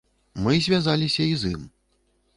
Мы звязаліся і з ім.